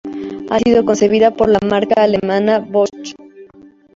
Ha sido concebida por la marca alemana Bosch.